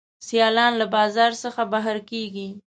سیالان له بازار څخه بهر کیږي.